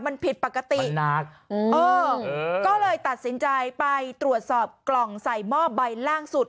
มันผิดปกติหนักก็เลยตัดสินใจไปตรวจสอบกล่องใส่หม้อใบล่างสุด